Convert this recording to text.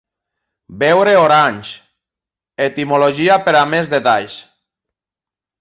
Veure Orange: etimologia per a més detalls.